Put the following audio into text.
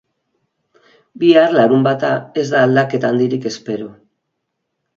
Bihar, larunbata, ez da aldaketa handirik espero.